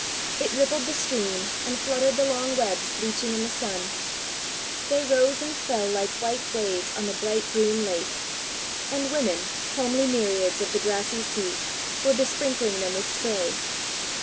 It rippled the stream, and fluttered the long webs bleaching in the sun: they rose and fell like white waves on the bright green lake; and women, homely Nereids of the grassy sea, were besprinkling them with spray.